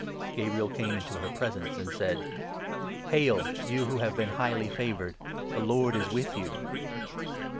Gabriel came into her presence and said :" Hail, you who have been highly favoured ! The Lord is with you."